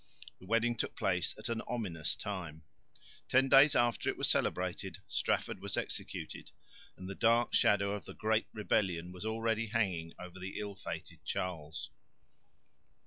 The wedding took place at an ominous time. Ten days after it was celebrated Strafford was executed; and the dark shadow of the Great Rebellion was already hanging over the ill fated Charles.